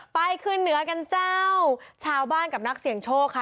ไปขึ้นเหนือกันเจ้าชาวบ้านกับนักเสี่ยงโชคค่ะ